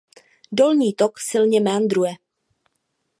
Dolní tok silně meandruje.